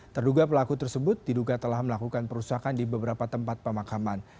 terduga pelaku tersebut diduga telah melakukan perusakan di beberapa tempat pemakaman